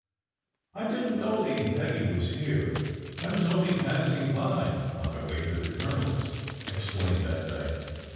" "I didn t know Lady Peggy was here. I was only passing by, on my way to the colonel s," explained Van .dyke.